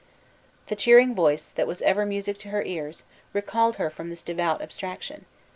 The cheering voice, that was ever music to her ears, recalled her from this devout abstraction.